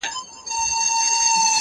تر ملكونو تر ښارونو رسيدلي!.